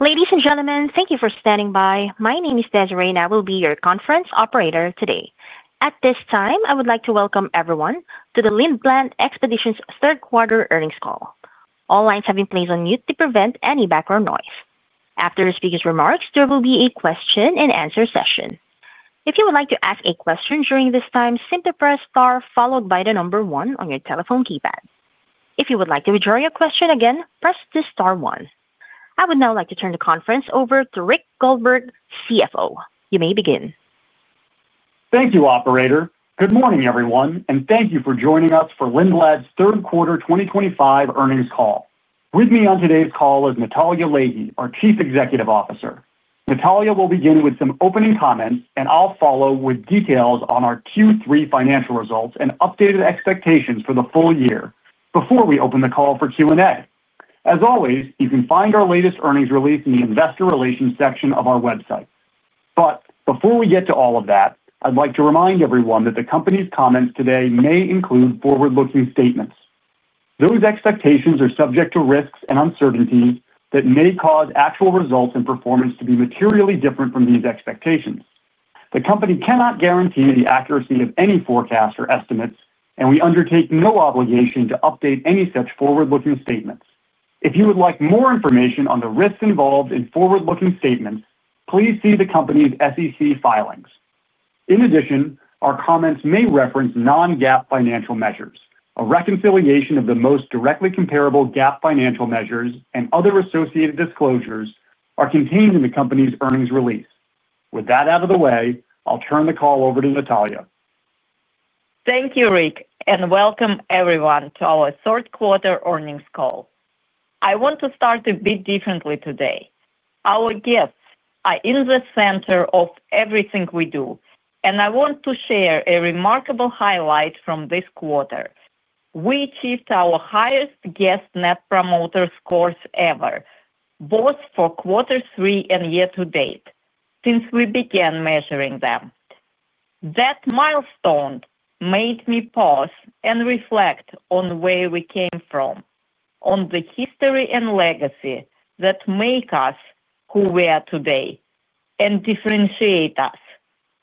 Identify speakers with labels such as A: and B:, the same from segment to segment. A: Ladies and gentlemen, thank you for standing by. My name is Desiree, and I will be your conference operator today. At this time, I would like to welcome everyone to the Lindblad Expeditions third-quarter earnings call. All lines have been placed on mute to prevent any background noise. After the speaker's remarks, there will be a question-and-answer session. If you would like to ask a question during this time, simply press star followed by the number one on your telephone keypad. If you would like to withdraw your question again, press the star one. I would now like to turn the conference over to Rick Goldberg, CFO. You may begin.
B: Thank you, Operator. Good morning, everyone, and thank you for joining us for Lindblad's third-quarter 2025 earnings call. With me on today's call is Natalya Leahy, our Chief Executive Officer. Natalya will begin with some opening comments, and I'll follow with details on our Q3 financial results and updated expectations for the full year before we open the call for Q&A. As always, you can find our latest earnings release in the Investor Relations section of our website. But before we get to all of that, I'd like to remind everyone that the company's comments today may include forward-looking statements. Those expectations are subject to risks and uncertainties that may cause actual results and performance to be materially different from these expectations. The company cannot guarantee the accuracy of any forecast or estimates, and we undertake no obligation to update any such forward-looking statements. If you would like more information on the risks involved in forward-looking statements, please see the company's SEC filings. In addition, our comments may reference non-GAAP financial measures. A reconciliation of the most directly comparable GAAP financial measures and other associated disclosures is contained in the company's earnings release. With that out of the way, I'll turn the call over to Natalya.
C: Thank you, Rick, and welcome everyone to our third-quarter earnings call. I want to start a bit differently today. Our guests are in the center of everything we do, and I want to share a remarkable highlight from this quarter. We achieved our highest guest net promoter scores ever, both for Q3 and year to date, since we began measuring them. That milestone made me pause and reflect on where we came from, on the history and legacy that make us who we are today and differentiate us,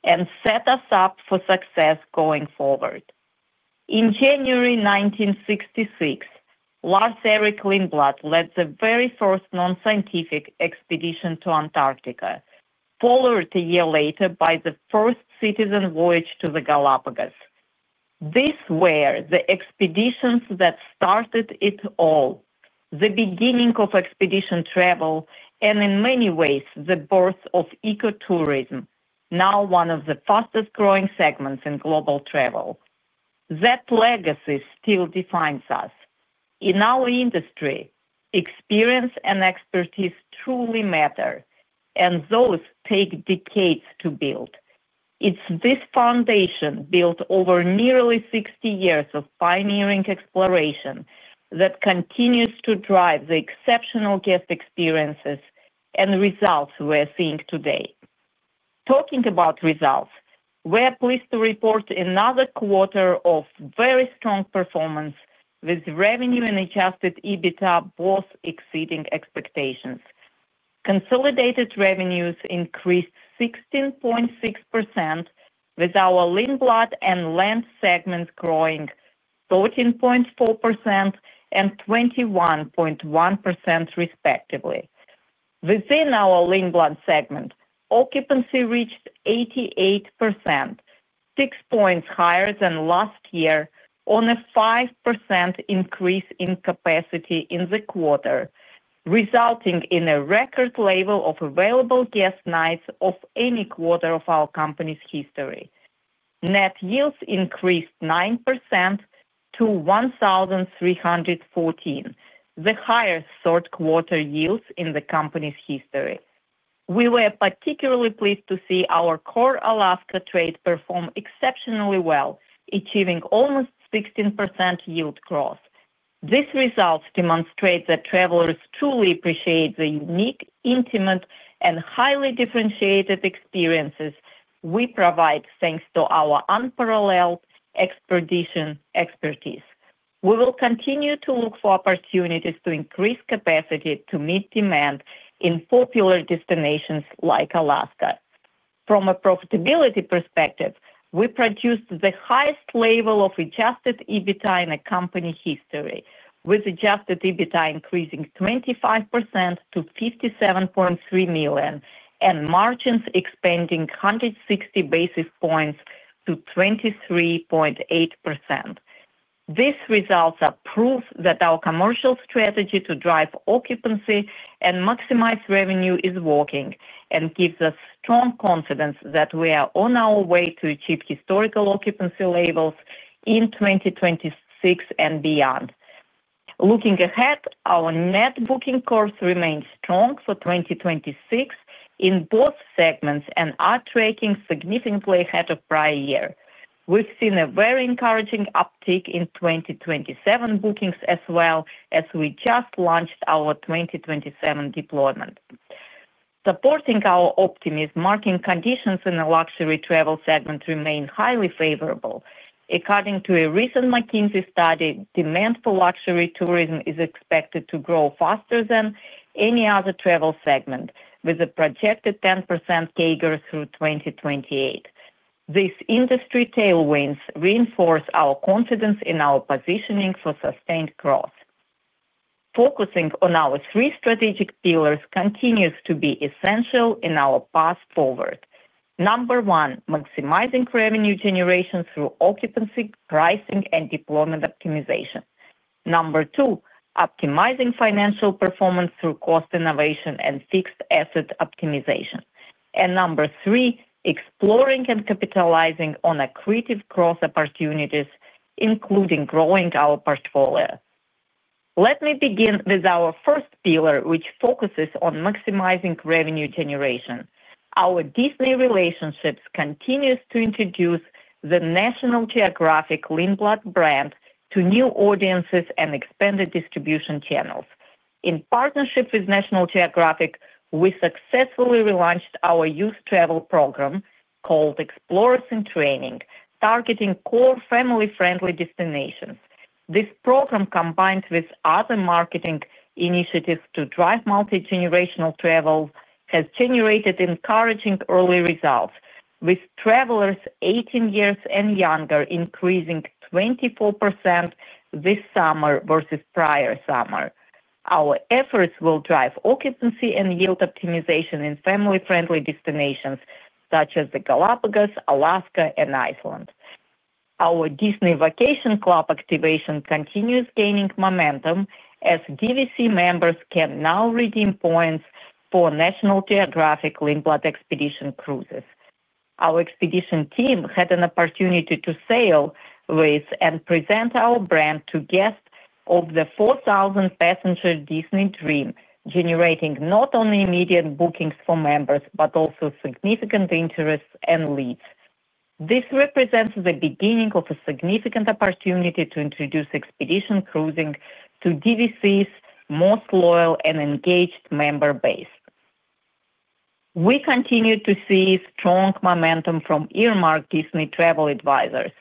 C: and set us up for success going forward. In January 1966, Lars-Eric Lindblad led the very first non-scientific expedition to Antarctica, followed a year later by the first citizen voyage to the Galápagos. This was the expedition that started it all, the beginning of expedition travel, and in many ways, the birth of ecotourism, now one of the fastest-growing segments in global travel. That legacy still defines us. In our industry, experience and expertise truly matter, and those take decades to build. It is this foundation, built over nearly 60 years of pioneering exploration, that continues to drive the exceptional guest experiences and results we are seeing today. Talking about results, we are pleased to report another quarter of very strong performance, with revenue and adjusted EBITDA both exceeding expectations. Consolidated revenues increased 16.6%, with our Lindblad and Land segments growing 13.4% and 21.1%, respectively. Within our Lindblad segment, occupancy reached 88%, six points higher than last year, on a 5% increase in capacity in the quarter, resulting in a record level of available guest nights of any quarter of our company's history. Net yields increased 9% to $1,314, the highest third-quarter yields in the company's history. We were particularly pleased to see our core Alaska trade perform exceptionally well, achieving almost 16% yield growth. These results demonstrate that travelers truly appreciate the unique, intimate, and highly differentiated experiences we provide, thanks to our unparalleled expedition expertise. We will continue to look for opportunities to increase capacity to meet demand in popular destinations like Alaska. From a profitability perspective, we produced the highest level of adjusted EBITDA in the company history, with adjusted EBITDA increasing 25% to $57.3 million and margins expanding 160 basis points to 23.8%. These results are proof that our commercial strategy to drive occupancy and maximize revenue is working and gives us strong confidence that we are on our way to achieve historical occupancy levels in 2026 and beyond. Looking ahead, our net booking curve remains strong for 2026 in both segments and is tracking significantly ahead of the prior year. We have seen a very encouraging uptick in 2027 bookings, as well as we just launched our 2027 deployment. Supporting our optimism, marketing conditions in the luxury travel segment remain highly favorable. According to a recent McKinsey study, demand for luxury tourism is expected to grow faster than any other travel segment, with a projected 10% CAGR through 2028. These industry tailwinds reinforce our confidence in our positioning for sustained growth. Focusing on our three strategic pillars continues to be essential in our path forward. Number one, maximizing revenue generation through occupancy, pricing, and deployment optimization. Number two, optimizing financial performance through cost innovation and fixed asset optimization. And number three, exploring and capitalizing on accretive growth opportunities, including growing our portfolio. Let me begin with our first pillar, which focuses on maximizing revenue generation. Our Disney relationships continue to introduce the National Geographic Lindblad brand to new audiences and expanded distribution channels. In partnership with National Geographic, we successfully relaunched our youth travel program. Called Explorers in Training, targeting core family-friendly destinations. This program, combined with other marketing initiatives to drive multi-generational travel, has generated encouraging early results, with travelers 18 years and younger increasing 24%. This summer versus the prior summer. Our efforts will drive occupancy and yield optimization in family-friendly destinations such as the Galápagos, Alaska, and Iceland. Our Disney Vacation Club activation continues gaining momentum, as DVC members can now redeem points for National Geographic Lindblad Expeditions cruises. Our expedition team had an opportunity to sail with and present our brand to guests of the 4,000-passenger Disney Dream, generating not only immediate bookings for members but also significant interest and leads. This represents the beginning of a significant opportunity to introduce expedition cruising to DVC's most loyal and engaged member base. We continue to see strong momentum from earmarked Disney travel advisors,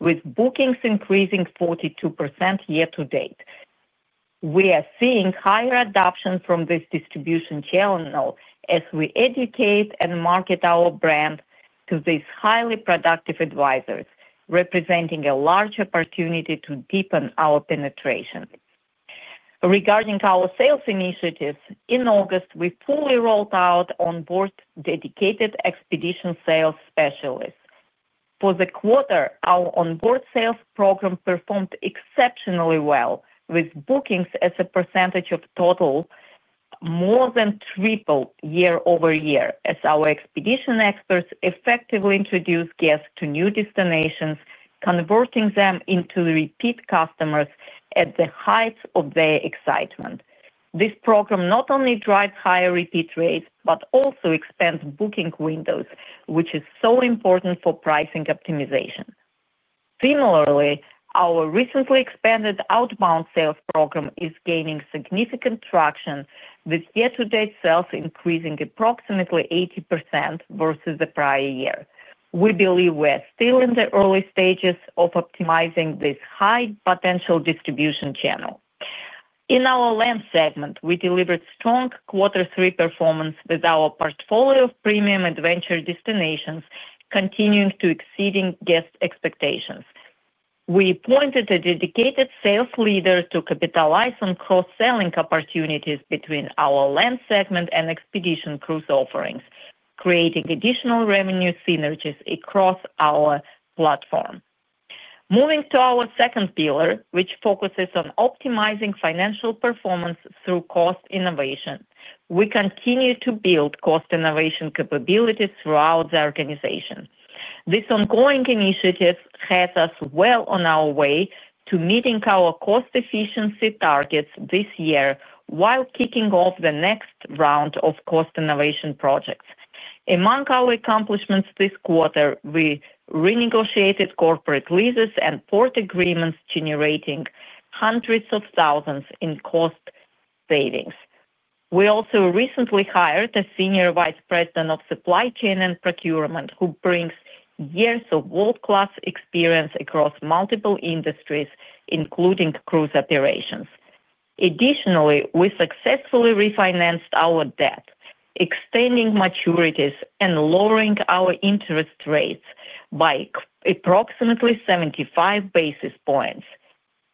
C: with bookings increasing 42% year to date. We are seeing higher adoption from this distribution channel as we educate and market our brand to these highly productive advisors, representing a large opportunity to deepen our penetration. Regarding our sales initiatives, in August, we fully rolled out onboard dedicated expedition sales specialists. For the quarter, our onboard sales program performed exceptionally well, with bookings as a percentage of total more than triple year-over-year, as our expedition experts effectively introduced guests to new destinations, converting them into repeat customers at the heights of their excitement. This program not only drives higher repeat rates but also expands booking windows, which is so important for pricing optimization. Similarly, our recently expanded outbound sales program is gaining significant traction, with year-to-date sales increasing approximately 80% versus the prior year. We believe we are still in the early stages of optimizing this high-potential distribution channel. In our Land segment, we delivered strong Q3 performance with our portfolio of premium adventure destinations continuing to exceed guest expectations. We appointed a dedicated sales leader to capitalize on cross-selling opportunities between our Land segment and expedition cruise offerings, creating additional revenue synergies across our platform. Moving to our second pillar, which focuses on optimizing financial performance through cost innovation, we continue to build cost innovation capabilities throughout the organization. This ongoing initiative has us well on our way to meeting our cost efficiency targets this year while kicking off the next round of cost innovation projects. Among our accomplishments this quarter, we renegotiated corporate leases and port agreements, generating hundreds of thousands in cost savings. We also recently hired a senior vice president of supply chain and procurement, who brings years of world-class experience across multiple industries, including cruise operations. Additionally, we successfully refinanced our debt, extending maturities and lowering our interest rates by approximately 75 basis points.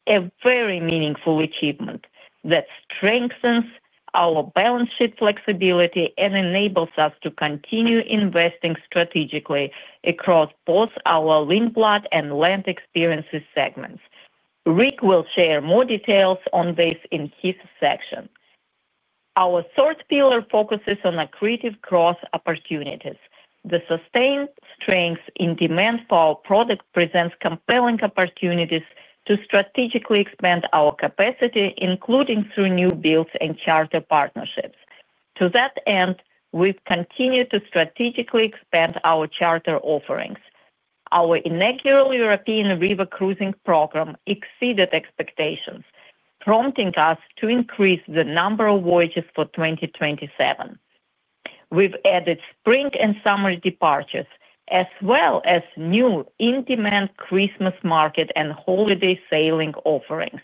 C: A very meaningful achievement that strengthens our balance sheet flexibility and enables us to continue investing strategically across both our Lindblad and Land Experiences segments. Rick will share more details on this in his section. Our third pillar focuses on accretive growth opportunities. The sustained strength in demand for our product presents compelling opportunities to strategically expand our capacity, including through new builds and charter partnerships. To that end, we've continued to strategically expand our charter offerings. Our inaugural European river cruising program exceeded expectations, prompting us to increase the number of voyages for 2027. We've added spring and summer departures, as well as new in-demand Christmas market and holiday sailing offerings.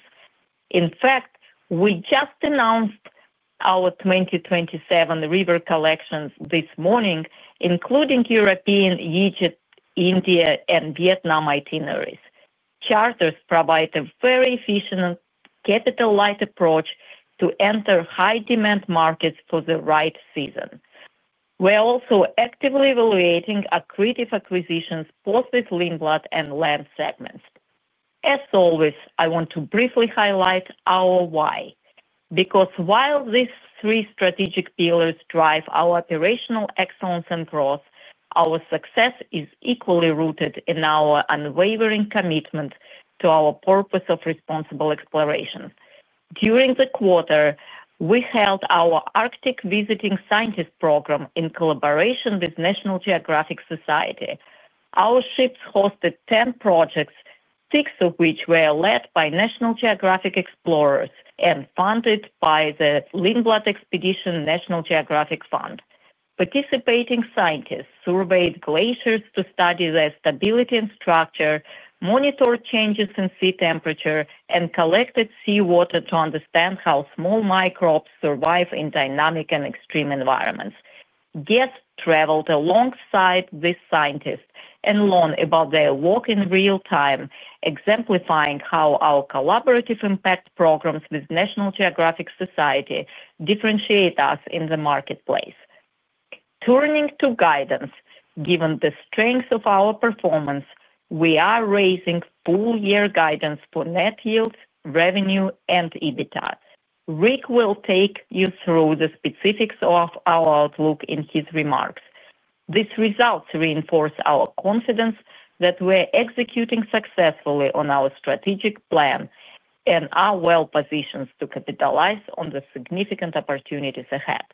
C: In fact, we just announced our 2027 river collections this morning, including European Egypt, India, and Vietnam itineraries. Charters provide a very efficient capitalized approach to enter high-demand markets for the right season. We're also actively evaluating accretive acquisitions both with Lindblad and Land Experiences segments. As always, I want to briefly highlight our why. Because while these three strategic pillars drive our operational excellence and growth, our success is equally rooted in our unwavering commitment to our purpose of responsible exploration. During the quarter, we held our Arctic Visiting Scientist program in collaboration with National Geographic Society. Our ships hosted 10 projects, six of which were led by National Geographic Explorers and funded by the Lindblad Expeditions National Geographic Fund. Participating scientists surveyed glaciers to study their stability and structure, monitored changes in sea temperature, and collected seawater to understand how small microbes survive in dynamic and extreme environments. Guests traveled alongside these scientists and learned about their work in real time, exemplifying how our collaborative impact programs with National Geographic Society differentiate us in the marketplace. Turning to guidance, given the strength of our performance, we are raising full-year guidance for net yields, revenue, and EBITDA. Rick will take you through the specifics of our outlook in his remarks. These results reinforce our confidence that we're executing successfully on our strategic plan and are well-positioned to capitalize on the significant opportunities ahead.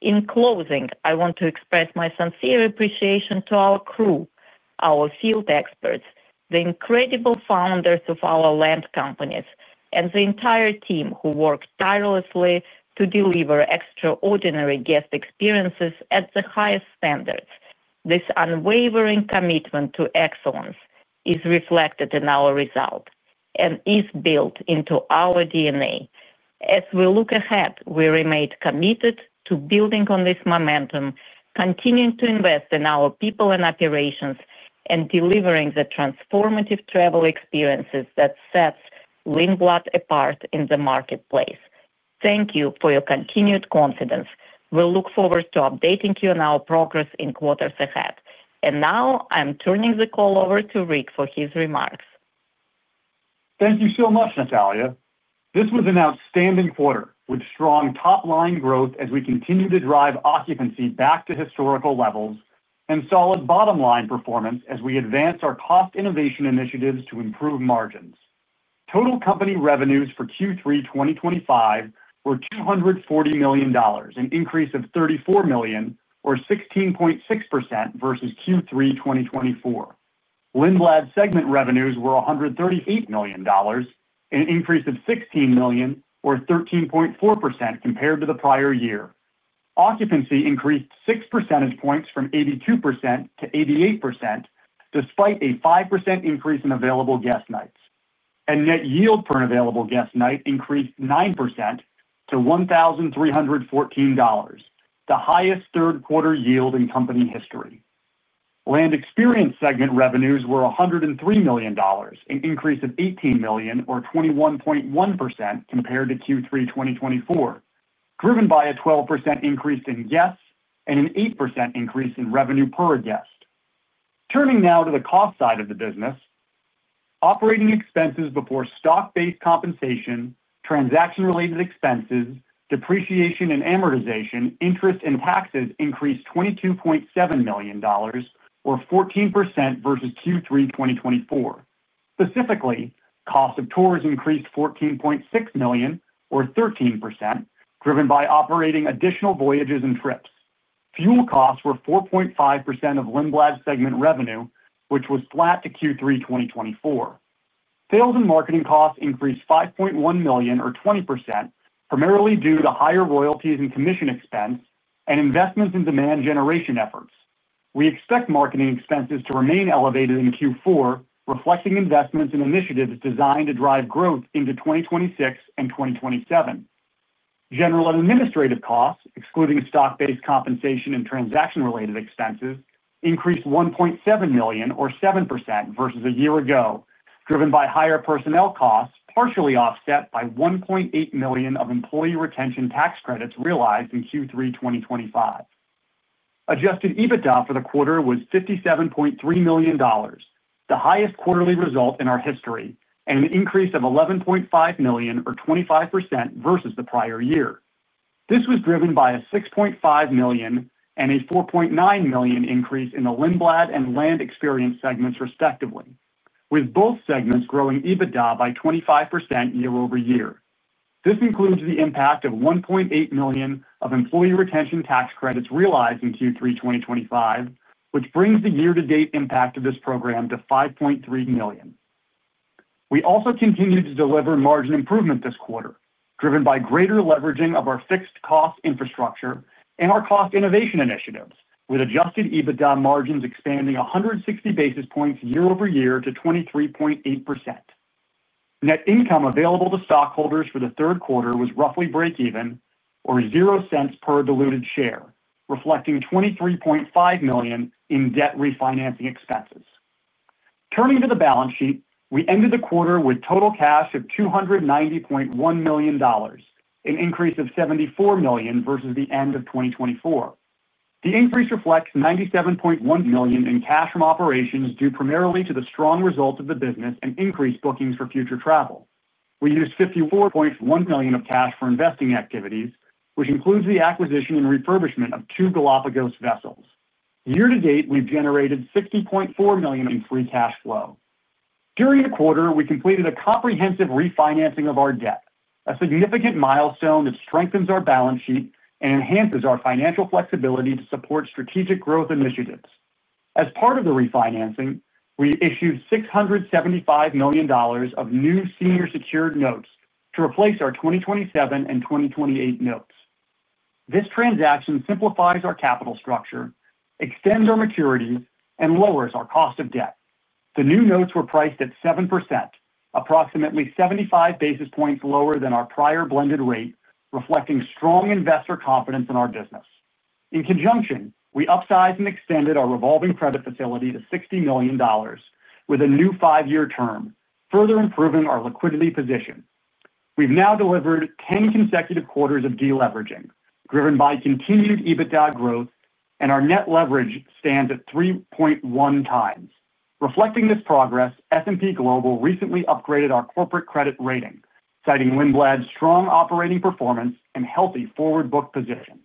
C: In closing, I want to express my sincere appreciation to our crew, our field experts, the incredible founders of our Land Experiences companies, and the entire team who worked tirelessly to deliver extraordinary guest experiences at the highest standards. This unwavering commitment to excellence is reflected in our results and is built into our DNA. As we look ahead, we remain committed to building on this momentum, continuing to invest in our people and operations, and delivering the transformative travel experiences that set Lindblad apart in the marketplace. Thank you for your continued confidence. We look forward to updating you on our progress in quarters ahead. Now, I'm turning the call over to Rick for his remarks.
B: Thank you so much, Natalya. This was an outstanding quarter, with strong top-line growth as we continue to drive occupancy back to historical levels and solid bottom-line performance as we advance our cost innovation initiatives to improve margins. Total company revenues for Q3 2025 were $240 million, an increase of $34 million, or 16.6% versus Q3 2024. Lindblad segment revenues were $138 million, an increase of $16 million, or 13.4% compared to the prior year. Occupancy increased 6 percentage points from 82%-88%, despite a 5% increase in available guest nights, and net yield per available guest night increased 9% to $1,314. The highest third-quarter yield in company history. Land Experiences segment revenues were $103 million, an increase of $18 million, or 21.1% compared to Q3 2024, driven by a 12% increase in guests and an 8% increase in revenue per guest. Turning now to the cost side of the business. Operating expenses before stock-based compensation, transaction-related expenses, depreciation and amortization, interest, and taxes increased $22.7 million, or 14% versus Q3 2024. Specifically, cost of tours increased $14.6 million, or 13%, driven by operating additional voyages and trips. Fuel costs were 4.5% of Lindblad segment revenue, which was flat to Q3 2024. Sales and marketing costs increased $5.1 million, or 20%, primarily due to higher royalties and commission expense and investments in demand generation efforts. We expect marketing expenses to remain elevated in Q4, reflecting investments in initiatives designed to drive growth into 2026 and 2027. General and administrative costs, excluding stock-based compensation and transaction-related expenses, increased $1.7 million, or 7%, versus a year ago, driven by higher personnel costs partially offset by $1.8 million of employee retention tax credits realized in Q3 2025. Adjusted EBITDA for the quarter was $57.3 million, the highest quarterly result in our history, and an increase of $11.5 million, or 25%, versus the prior year. This was driven by a $6.5 million and a $4.9 million increase in the Lindblad and Land Experiences segments, respectively, with both segments growing EBITDA by 25% year-over-year. This includes the impact of $1.8 million of employee retention tax credits realized in Q3 2025, which brings the year-to-date impact of this program to $5.3 million. We also continue to deliver margin improvement this quarter, driven by greater leveraging of our fixed cost infrastructure and our cost innovation initiatives, with adjusted EBITDA margins expanding 160 basis points year over year to 23.8%. Net income available to stockholders for the third quarter was roughly break-even, or 0 cents per diluted share, reflecting $23.5 million in debt refinancing expenses. Turning to the balance sheet, we ended the quarter with total cash of $290.1 million, an increase of $74 million versus the end of 2024. The increase reflects $97.1 million in cash from operations due primarily to the strong result of the business and increased bookings for future travel. We used $54.1 million of cash for investing activities, which includes the acquisition and refurbishment of two Galápagos vessels. Year-to-date, we've generated $60.4 million in free cash flow. During the quarter, we completed a comprehensive refinancing of our debt, a significant milestone that strengthens our balance sheet and enhances our financial flexibility to support strategic growth initiatives. As part of the refinancing, we issued $675 million of new senior secured notes to replace our 2027 and 2028 notes. This transaction simplifies our capital structure, extends our maturities, and lowers our cost of debt. The new notes were priced at 7%, approximately 75 basis points lower than our prior blended rate, reflecting strong investor confidence in our business. In conjunction, we upsized and extended our revolving credit facility to $60 million, with a new five-year term, further improving our liquidity position. We've now delivered 10 consecutive quarters of deleveraging, driven by continued EBITDA growth, and our net leverage stands at 3.1x. Reflecting this progress, S&P Global recently upgraded our corporate credit rating, citing Lindblad's strong operating performance and healthy forward-book position.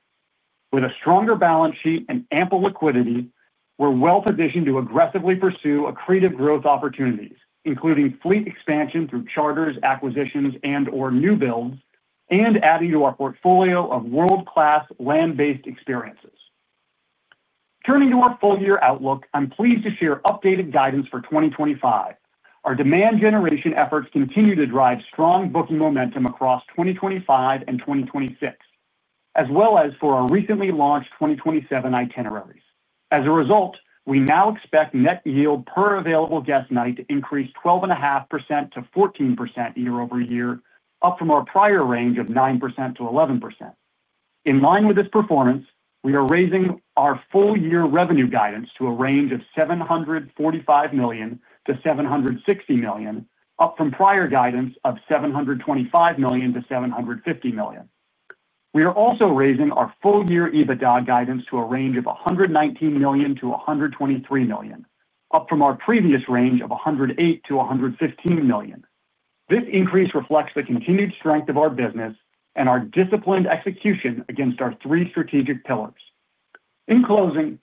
B: With a stronger balance sheet and ample liquidity, we're well-positioned to aggressively pursue accretive growth opportunities, including fleet expansion through charters, acquisitions, and/or new builds, and adding to our portfolio of world-class Land-based experiences. Turning to our full-year outlook, I'm pleased to share updated guidance for 2025. Our demand generation efforts continue to drive strong booking momentum across 2025 and 2026, as well as for our recently launched 2027 itineraries. As a result, we now expect net yield per available guest night to increase 12.5%-14% year-over-year, up from our prior range of 9%-11%. In line with this performance, we are raising our full-year revenue guidance to a range of $745 million-$760 million, up from prior guidance of $725 million-$750 million. We are also raising our full-year EBITDA guidance to a range of $119 million-$123 million, up from our previous range of $108 million-$115 million. This increase reflects the continued strength of our business and our disciplined execution against our three strategic pillars. In closing,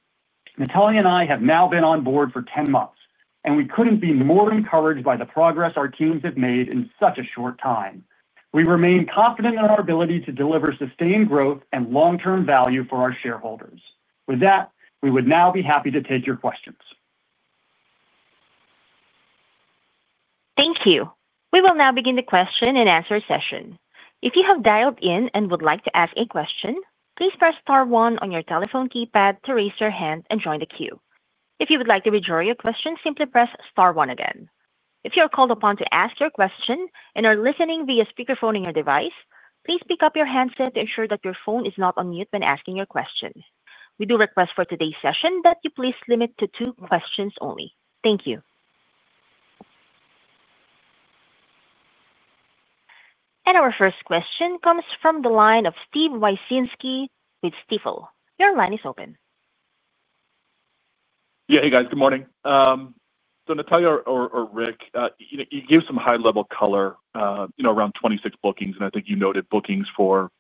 B: Natalya and I have now been on board for 10 months, and we couldn't be more encouraged by the progress our teams have made in such a short time. We remain confident in our ability to deliver sustained growth and long-term value for our shareholders. With that, we would now be happy to take your questions.
A: Thank you. We will now begin the question and answer session. If you have dialed in and would like to ask a question, please press star one on your telephone keypad to raise your hand and join the queue. If you would like to withdraw your question, simply press star one again. If you are called upon to ask your question and are listening via speakerphone on your device, please pick up your handset to ensure that your phone is not on mute when asking your question. We do request for today's session that you please limit to two questions only. Thank you. Our first question comes from the line of Steve Wieczynski with Stifel. Your line is open.
D: Yeah, hey, guys. Good morning. So, Natalya or Rick, you gave some high-level color around 2026 bookings, and I think you noted bookings for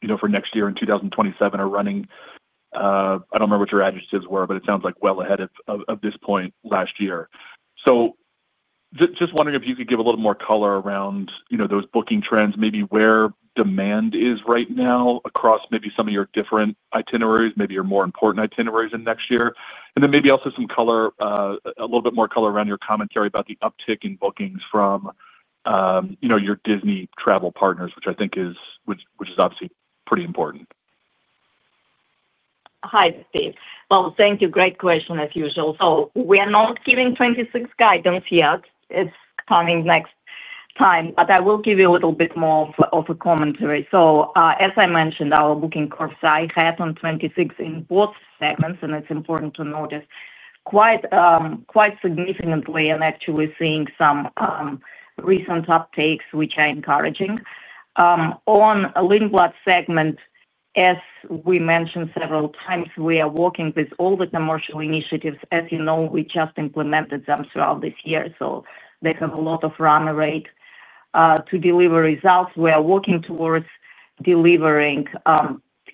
D: next year. In 2027 are running. I don't remember what your adjectives were, but it sounds like well ahead of this point last year. So just wondering if you could give a little more color around those booking trends, maybe where demand is right now across maybe some of your different itineraries, maybe your more important itineraries in next year, and then maybe also some color, a little bit more color around your commentary about the uptick in bookings from your Disney travel partners, which I think is obviously pretty important.
C: Hi, Steve. Well, thank you. Great question, as usual. So we are not giving 2026 guidance yet. It's coming next time, but I will give you a little bit more of a commentary. So, as I mentioned, our booking curve, so ahead on 2026 in both segments, and it's important to notice quite significantly and actually seeing some recent uptakes, which are encouraging. On Lindblad segment. As we mentioned several times, we are working with all the commercial initiatives. As you know, we just implemented them throughout this year, so they have a lot of run rate to deliver results. We are working towards delivering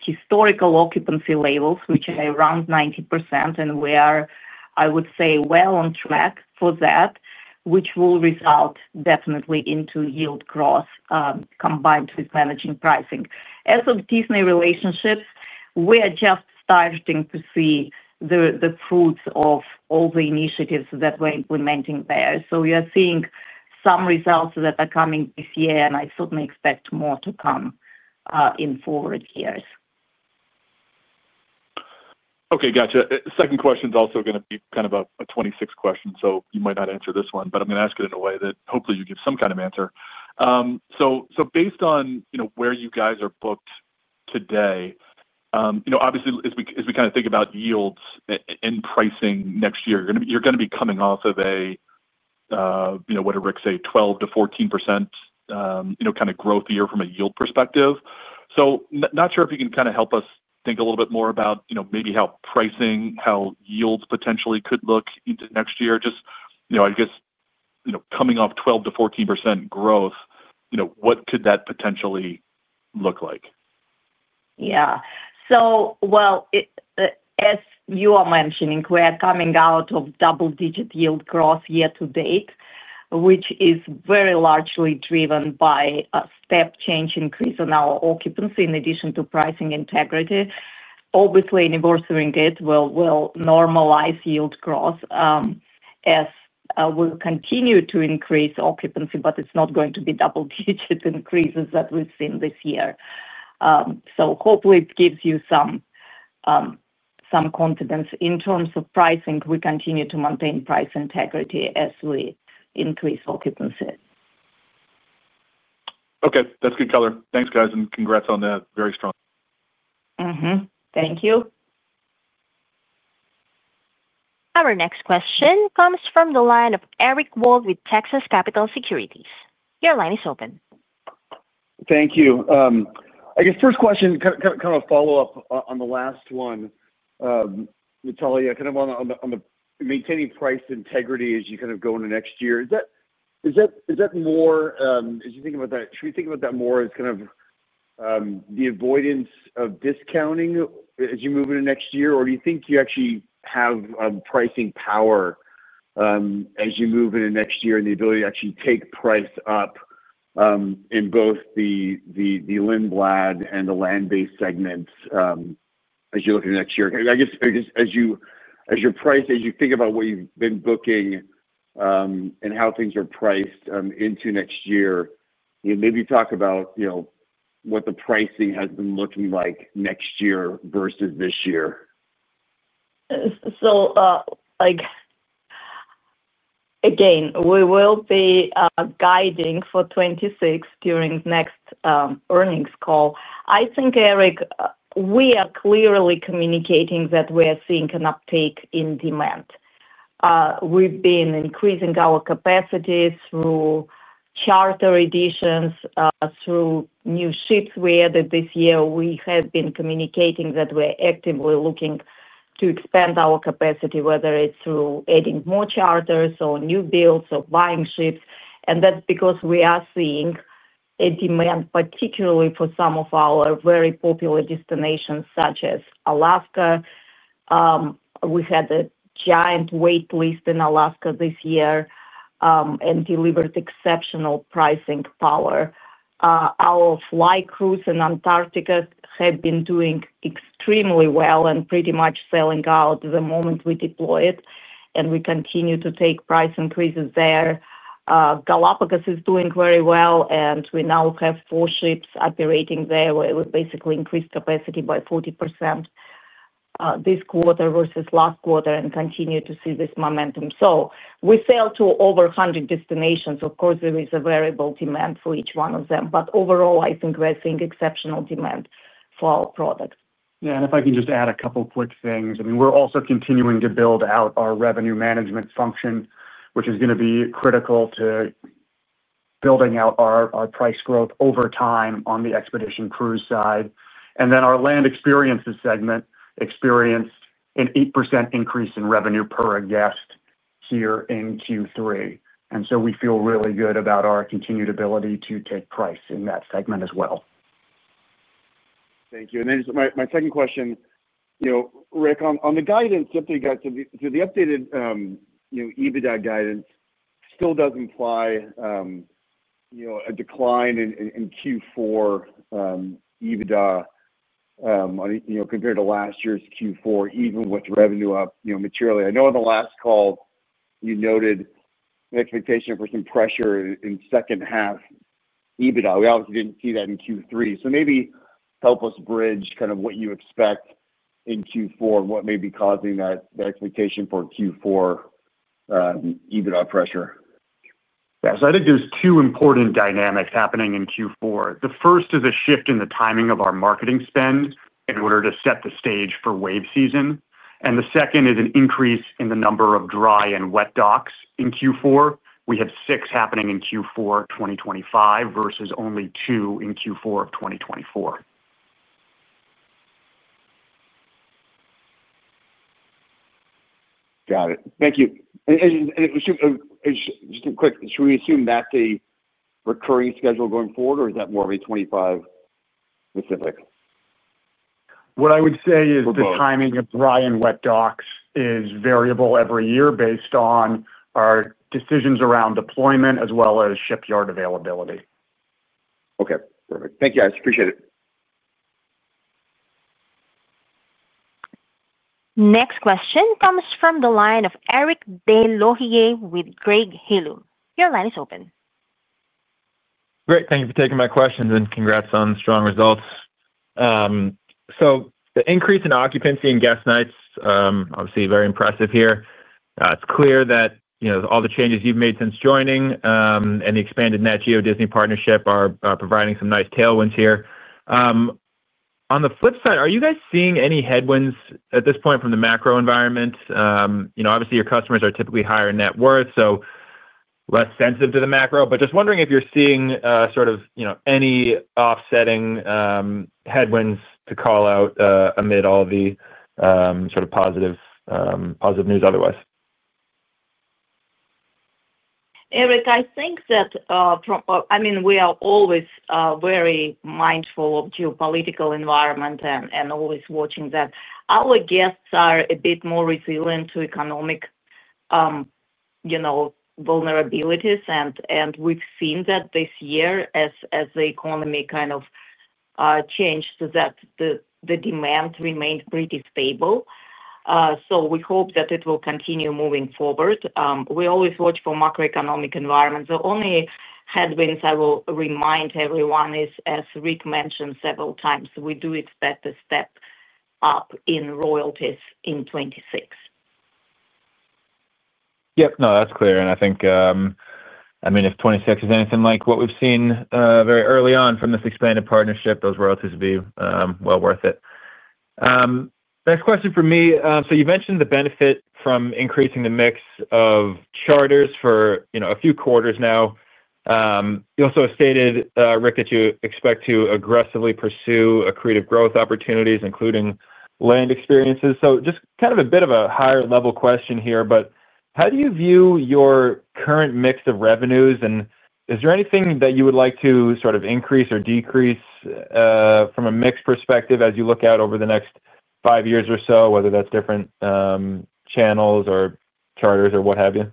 C: historical occupancy levels, which are around 90%, and we are, I would say, well on track for that, which will result definitely into yield growth combined with managing pricing. As for Disney relationships, we are just starting to see the fruits of all the initiatives that we're implementing there. So we are seeing some results that are coming this year, and I certainly expect more to come in forward years.
D: Okay, gotcha. Second question is also going to be kind of a 2026 question, so you might not answer this one, but I'm going to ask it in a way that hopefully you give some kind of answer. So based on where you guys are booked today. Obviously, as we kind of think about yields and pricing next year, you're going to be coming off of a what did Rick say, 12%-14% kind of growth year from a yield perspective. So not sure if you can kind of help us think a little bit more about maybe how pricing, how yields potentially could look into next year. Just, I guess, coming off 12%-14% growth, what could that potentially look like?
C: Yeah. So, well. As you are mentioning, we are coming out of double-digit yield growth year to date, which is very largely driven by a step-change increase in our occupancy in addition to pricing integrity. Obviously, anniversary gate will normalize yield growth. As we'll continue to increase occupancy, but it's not going to be double-digit increases that we've seen this year. So hopefully, it gives you some confidence in terms of pricing. We continue to maintain price integrity as we increase occupancy.
D: Okay, that's good color. Thanks, guys, and congrats on that very strong.
C: Thank you.
A: Our next question comes from the line of Eric Wald with Texas Capital Securities. Your line is open. Thank you. I guess first question, kind of a follow-up on the last one. Natalya, kind of on the maintaining price integrity as you kind of go into next year, is that more, as you think about that, should we think about that more as kind of the avoidance of discounting as you move into next year, or do you think you actually have pricing power as you move into next year and the ability to actually take price up in both the Lindblad and the Land Experiences segments as you look into next year? I guess, as you think about what you've been booking and how things are priced into next year, maybe talk about what the pricing has been looking like next year versus this year.
C: So again, we will be guiding for 2026 during next earnings call. I think, Eric, we are clearly communicating that we are seeing an uptake in demand. We've been increasing our capacity through charter additions, through new ships we added this year. We have been communicating that we're actively looking to expand our capacity, whether it's through adding more charters or new builds or buying ships. And that's because we are seeing a demand, particularly for some of our very popular destinations such as Alaska. We had a giant waitlist in Alaska this year and delivered exceptional pricing power. Our flycruise in Antarctica had been doing extremely well and pretty much selling out the moment we deployed, and we continue to take price increases there. Galápagos is doing very well, and we now have four ships operating there. We basically increased capacity by 40% this quarter versus last quarter and continue to see this momentum. So we sell to over 100 destinations. Of course, there is a variable demand for each one of them, but overall, I think we're seeing exceptional demand for our product.
B: Yeah, and if I can just add a couple of quick things. I mean, we're also continuing to build out our revenue management function, which is going to be critical to building out our price growth over time on the expedition cruise side. And then our Land Experiences segment experienced an 8% increase in revenue per guest here in Q3. And so we feel really good about our continued ability to take price in that segment as well. Thank you. And then my second question. Rick, on the guidance, simply got to the updated EBITDA guidance still doesn't imply a decline in Q4 EBITDA compared to last year's Q4, even with revenue up materially. I know on the last call, you noted the expectation for some pressure in second-half EBITDA. We obviously didn't see that in Q3. So maybe help us bridge kind of what you expect in Q4 and what may be causing that expectation for Q4 EBITDA pressure. Yeah. So I think there's two important dynamics happening in Q4. The first is a shift in the timing of our marketing spend in order to set the stage for wave season. And the second is an increase in the number of dry and wet docks in Q4. We have six happening in Q4 2025 versus only two in Q4 of 2024. Got it. Thank you. And just a quick, should we assume that's a recurring schedule going forward, or is that more of a 2025 specific? What I would say is the timing of dry and wet docks is variable every year based on our decisions around deployment as well as shipyard availability. Okay. Perfect. Thank you, guys. Appreciate it.
A: Next question comes from the line of Eric de Laurier with Greg Hillum. Your line is open. Great. Thank you for taking my questions and congrats on strong results. So the increase in occupancy and guest nights, obviously very impressive here. It's clear that all the changes you've made since joining and the expanded Nat Geo Disney partnership are providing some nice tailwinds here. On the flip side, are you guys seeing any headwinds at this point from the macro environment? Obviously, your customers are typically higher net worth, so less sensitive to the macro. But just wondering if you're seeing sort of any offsetting headwinds to call out amid all the sort of positive news otherwise.
C: Eric, I think that. I mean, we are always very mindful of geopolitical environment and always watching that. Our guests are a bit more resilient to economic vulnerabilities, and we've seen that this year as the economy kind of changed so that the demand remained pretty stable. So we hope that it will continue moving forward. We always watch for macroeconomic environments. The only headwinds I will remind everyone is, as Rick mentioned several times, we do expect a step up in royalties in 2026. Yep. No, that's clear. And I think. I mean, if 2026 is anything like what we've seen very early on from this expanded partnership, those royalties would be well worth it. Next question for me. So you mentioned the benefit from increasing the mix of charters for a few quarters now. You also stated, Rick, that you expect to aggressively pursue accretive growth opportunities, including Land Experiences. So just kind of a bit of a higher-level question here, but how do you view your current mix of revenues? And is there anything that you would like to sort of increase or decrease from a mix perspective as you look out over the next five years or so, whether that's different channels or charters or what have you?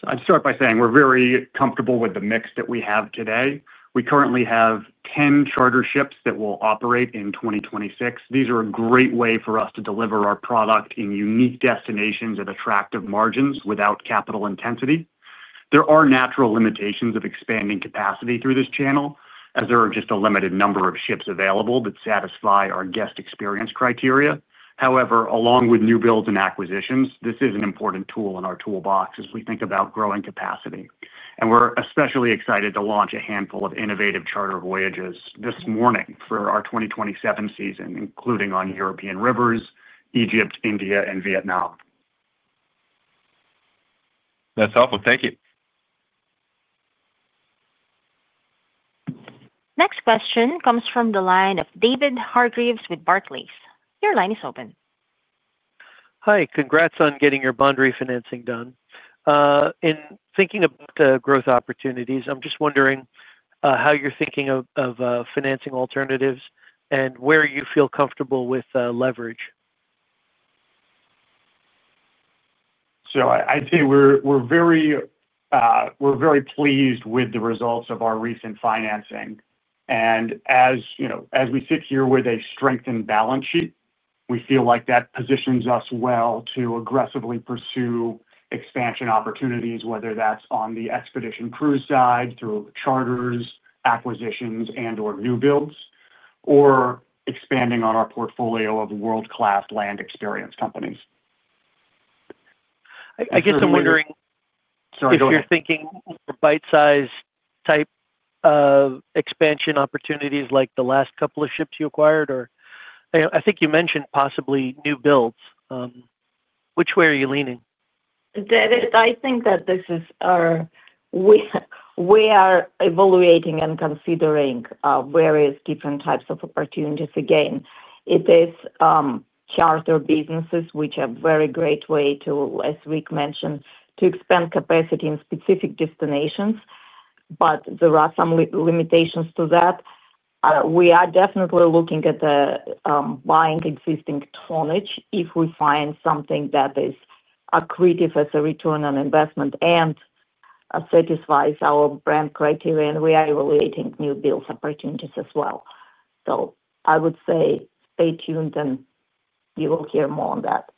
B: So I'd start by saying we're very comfortable with the mix that we have today. We currently have 10 charter ships that will operate in 2026. These are a great way for us to deliver our product in unique destinations at attractive margins without capital intensity. There are natural limitations of expanding capacity through this channel as there are just a limited number of ships available that satisfy our guest experience criteria. However, along with new builds and acquisitions, this is an important tool in our toolbox as we think about growing capacity. And we're especially excited to launch a handful of innovative charter voyages this morning for our 2027 season, including on European rivers, Egypt, India, and Vietnam. That's helpful. Thank you.
A: Next question comes from the line of David Hargreaves with Barclays. Your line is open. Hi. Congrats on getting your bond refinancing done. In thinking about the growth opportunities, I'm just wondering how you're thinking of financing alternatives and where you feel comfortable with leverage.
B: So I'd say we're very pleased with the results of our recent financing. And as we sit here with a strengthened balance sheet, we feel like that positions us well to aggressively pursue expansion opportunities, whether that's on the expedition cruise side through charters, acquisitions, and/or new builds, or expanding on our portfolio of world-class Land Experiences companies. I guess I'm wondering. Sorry, go ahead. If you're thinking bite-sized type of expansion opportunities like the last couple of ships you acquired, or I think you mentioned possibly new builds. Which way are you leaning?
C: David, I think we are evaluating and considering various different types of opportunities. Again, charter businesses, which are a very great way to, as Rick mentioned, to expand capacity in specific destinations. But there are some limitations to that. We are definitely looking at buying existing tonnage if we find something that is accretive as a return on investment and satisfies our brand criteria. And we are evaluating new builds opportunities as well. So I would say stay tuned, and you will hear more on that.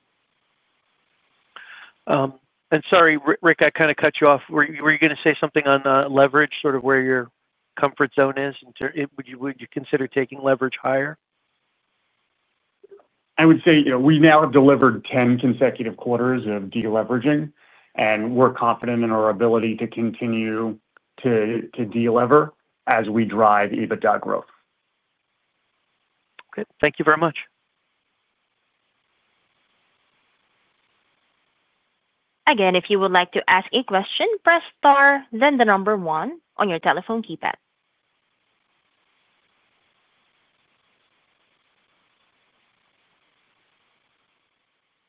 C: And sorry, Rick, I kind of cut you off. Were you going to say something on leverage, sort of where your comfort zone is? Would you consider taking leverage higher?
B: I would say we now have delivered 10 consecutive quarters of deleveraging, and we're confident in our ability to continue to delever as we drive EBITDA growth. Okay. Thank you very much. Again, if you would like to ask a question, press star, then the number one on your telephone keypad.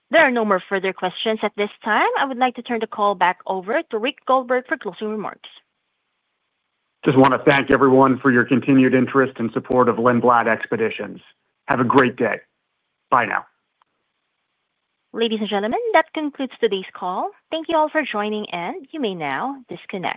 B: There are no more further questions at this time. I would like to turn the call back over to Rick Goldberg for closing remarks. Just want to thank everyone for your continued interest and support of Lindblad Expeditions. Have a great day. Bye now.
A: Ladies and gentlemen, that concludes today's call. Thank you all for joining, and you may now disconnect.